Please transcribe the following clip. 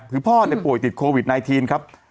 คือพ่อป่วยติดโควิด๑๙ครับ